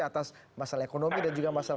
atas masalah ekonomi dan juga masalah